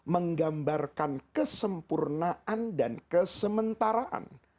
menggambarkan kesempurnaan dan kesementaraan